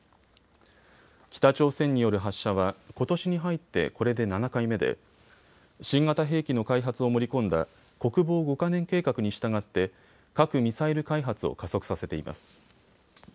北朝鮮による発射はことしに入ってこれで７回目で新型兵器の開発を盛り込んだ国防５か年計画に従って核・ミサイル開発を加速させています。